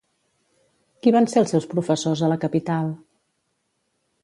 Qui van ser els seus professors a la capital?